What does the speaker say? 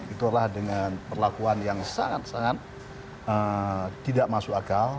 itulah dengan perlakuan yang sangat sangat tidak masuk akal